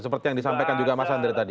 seperti yang disampaikan juga mas andri tadi